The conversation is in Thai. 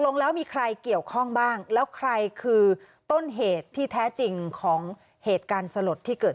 ลงแล้วมีใครเกี่ยวข้องบ้างแล้วใครคือต้นเหตุที่แท้จริงของเหตุการณ์สลดที่เกิด